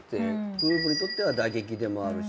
グループにとっては打撃でもあるし。